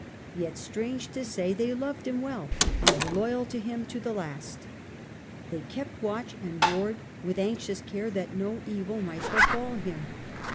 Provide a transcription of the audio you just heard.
Yet, strange to say, they loved him well, and were loyal to him to the last. They love, kept watch and ward with anxious care that no evil might befall him.